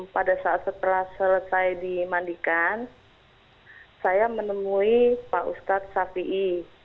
pada saat setelah selesai dimandikan saya menemui pak ustadz safi'i